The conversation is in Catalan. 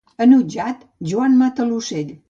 Enutjat, Joan mata l'ocell.